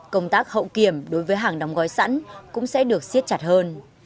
công tác hậu kiểm đối với hàng đóng gói sẵn cũng sẽ được siết chặt hơn